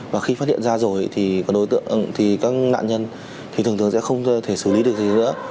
và khi phát hiện ra rồi thì các nạn nhân thì thường thường sẽ không thể xử lý được gì nữa